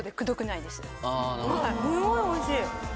すごいおいしい！